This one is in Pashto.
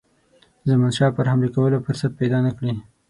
زمانشاه پر حملې کولو فرصت پیدا نه کړي.